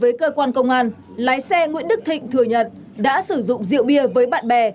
với cơ quan công an lái xe nguyễn đức thịnh thừa nhận đã sử dụng rượu bia với bạn bè